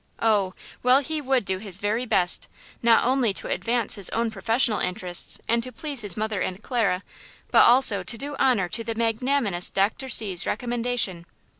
Oh! well, he would do his very best, not only to advance his own professional interests, and to please his mother and Clara, but also to do honor to the magnanimous Dr. C.'s recommendation!